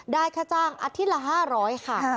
ได้ค่าจ้างอัธิษฐ์ละ๕๐๐ค่ะ